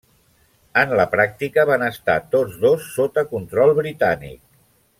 En la pràctica van estar tots dos sota control britànic.